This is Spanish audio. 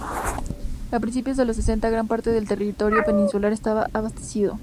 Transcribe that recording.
A principios de los sesenta, gran parte del territorio peninsular estaba abastecido.